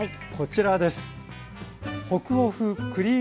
こちらです。